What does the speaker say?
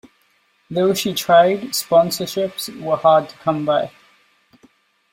Though she tried, sponsorships were hard to come by.